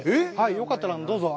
よかったら、どうぞ。